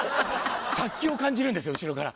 殺気を感じるんですよ後ろから。